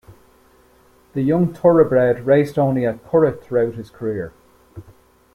The young Thoroughbred raced only at Curragh throughout his career.